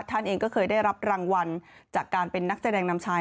ท่านเองก็เคยได้รับรางวัลจากการเป็นนักแสดงนำชาย